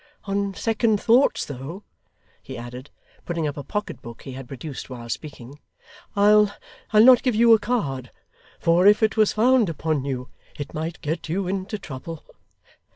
On second thoughts though,' he added, putting up a pocket book he had produced while speaking, 'I'll not give you a card, for if it was found upon you, it might get you into trouble.